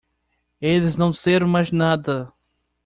Eles não disseram mais nada.